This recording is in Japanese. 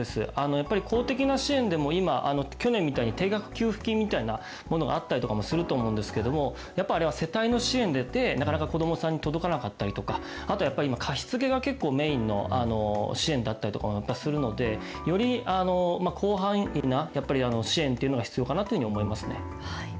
やっぱり公的な支援でも今、去年みたいに定額給付金みたいなものがあったりとかもすると思うんですけれども、やっぱあれは世帯の支援で、なかなか子どもさんに届かなかったりとか、あとやっぱり、貸し付けが結構メインの支援だったりとかもするので、より広範囲な支援っていうのが必要かなというふうに思いますね。